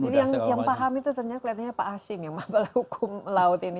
jadi yang paham itu ternyata kelihatannya pak asing yang mengambil hukum laut ini